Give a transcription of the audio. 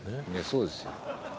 そうですよ。